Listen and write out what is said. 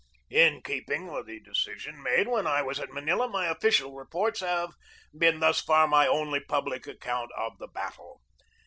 In keeping with the decision made when I was at Manila, my official reports have been thus far my only public account of the battle.